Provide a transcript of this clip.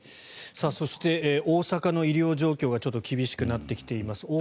そして、大阪の医療状況がちょっと厳しくなっています。